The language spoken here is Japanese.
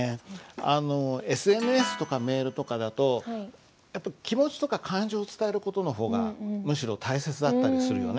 あのＳＮＳとかメールとかだとやっぱ気持ちとか感情を伝える事の方がむしろ大切だったりするよね。